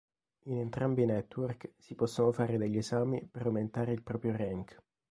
In entrambi i network si possono fare degli esami per aumentare il proprio rank.